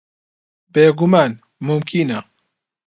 بێگومان، مومکینە.